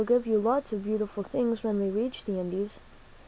^^ 7T^^^^ ^^'^ give you lots of beautiful things when we reach the Indies."